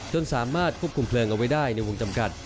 สามารถควบคุมเพลิงเอาไว้ได้ในวงจำกัด